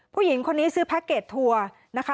ผู้หญิงคนนี้ซื้อแพ็คเกจทัวร์นะคะ